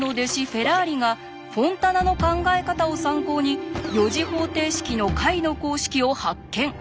フェラーリがフォンタナの考え方を参考に４次方程式の解の公式を発見。